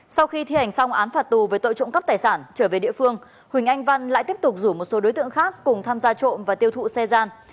sau khi thi hành xong án phạt tù về tội trộm cắp tài sản trở về địa phương huỳnh anh văn lại tiếp tục rủ một số đối tượng khác cùng tham gia trộm và tiêu thụ xe gian